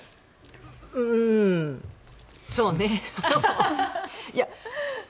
うーん、そうね。